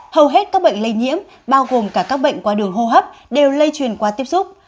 hầu hết các bệnh lây nhiễm bao gồm cả các bệnh qua đường hô hấp đều lây truyền qua tiếp xúc